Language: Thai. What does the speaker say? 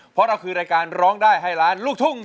เพราะเราคือรายการร้องได้ให้ล้านลูกทุ่ง